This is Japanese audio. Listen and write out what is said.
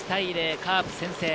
カープ先制。